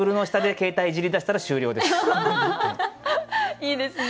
いいですね。